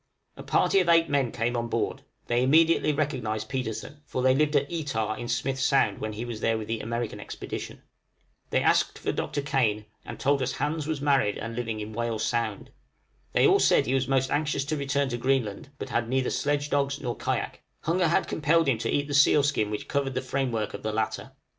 A party of eight men came on board: they immediately recognized Petersen, for they lived at Etah in Smith's Sound when he was there in the American expedition. They asked for Dr. Kane, and told us Hans was married and living in Whale Sound. They all said he was most anxious to return to Greenland, but had neither sledge dogs nor kayak; hunger had compelled him to eat the seal skin which covered the framework of the latter.